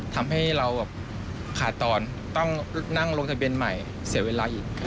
ทำให้เราแบบขาดตอนต้องนั่งลงทะเบียนใหม่เสียเวลาอีก